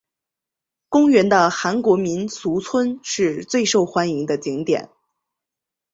公园中的韩国民俗村是受欢迎的景点。